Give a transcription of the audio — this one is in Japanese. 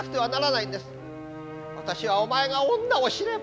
私はお前が女を知れば。